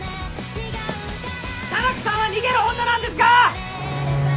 沙名子さんは逃げる女なんですか！